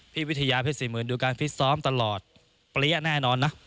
พี่วิทยาเพชร๔๐๐๐ดูการฟิตซ้อมตลอดเปรี้ยแน่นอนนะ